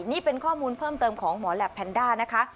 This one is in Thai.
นี่เป็นข้อมูลเพิ่มเติมของหมอแหลปแพนด้านะคะ